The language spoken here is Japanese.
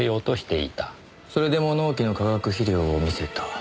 それで物置の化学肥料を見せた。